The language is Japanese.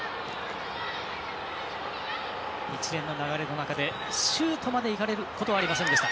一連の流れの中でシュートまでいかれることはありませんでした。